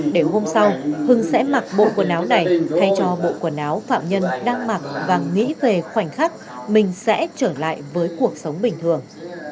để hôm sau hưng sẽ mặc bộ quần áo này thay cho bộ quần áo phạm nhân đang mặc và nghĩ về khoảnh khắc mình sẽ trở lại với cuộc sống bình thường